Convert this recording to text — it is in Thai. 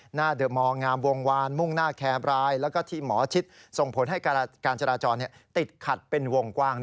หน้าเดอร์มอลงามวงวานมุ่งหน้าแคร์บรายแล้วก็ที่หมอชิดส่งผลให้การจราจรติดขัดเป็นวงกว้าง